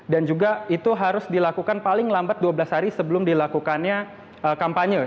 dan juga itu harus dilakukan paling lambat dua belas hari sebelum dilakukannya kampanye